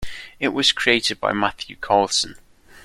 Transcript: It was created by Matthew Carlson.